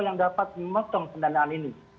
yang dapat memotong pendanaan ini